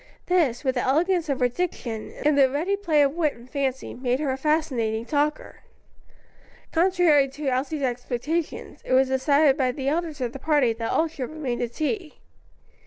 These, with the elegance of her diction, and the ready play of wit and fancy, made her a fascinating talker. Contrary to Elsie's expectations, it was decided by the elders of the party that all should remain to tea.